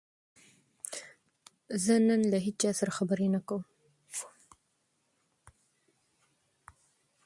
زه نن له هیچا سره خبرې نه کوم.